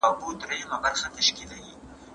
¬ د زورور اوبه په پېچومي خېژي.